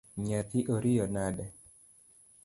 Nyathi oriyo nade?